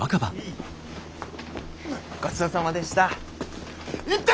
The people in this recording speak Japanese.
ごちそうさまでした。